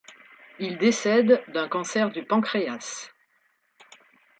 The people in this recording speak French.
Il décède d'un cancer du pancréas.